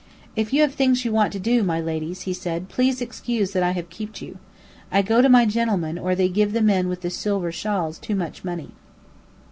"If you have things you want to do, my ladies," he said, "please excuse that I have keeped you. I go to my gen'lemen or they give the men with the silver shawls too much money."